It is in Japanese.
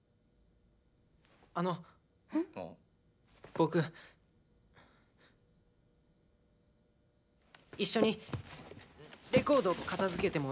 僕一緒にレコード片づけてもいいですか？